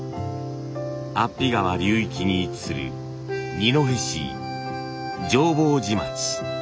安比川流域に位置する二戸市浄法寺町。